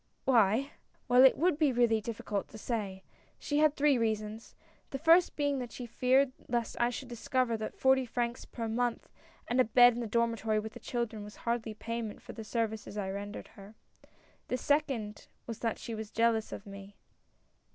" "Why? Well, it would be really difficult to say — she had three reasons. The first being that she feared lest I should discover that forty francs per month and a bed in the dormitory with the children, was hardly payment for the services I rendered her. The second was that she was jealous of me."